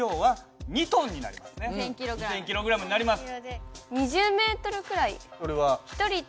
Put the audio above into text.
２，０００ｋｇになります。